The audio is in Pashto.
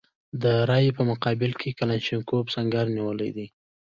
د رایې په مقابل کې کلاشینکوف سنګر نیولی دی.